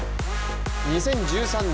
２０１３年